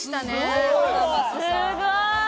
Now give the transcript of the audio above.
すごーい！